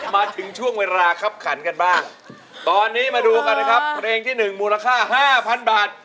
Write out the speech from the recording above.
มาถึงช่วงเวลาครับขันกันบ้างตอนนี้มาดูกันนะครับเพลงที่๑มูลค่า๕๐๐บาท